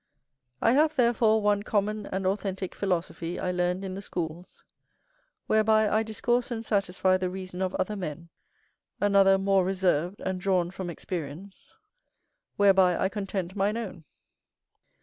I have therefore one common and authentick philosophy I learned in the schools, whereby I discourse and satisfy the reason of other men; another more reserved, and drawn from experience, whereby I content mine own.